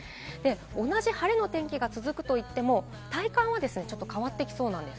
同じ晴れの天気が続くといっても、体感はちょっと変わってきそうなんです。